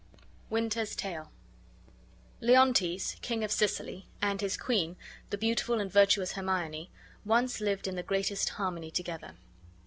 THE WINTER'S TALE Leontes, King of Sicily, and his queen, the beautiful and virtuous Hermione, once lived in the greatest harmony together.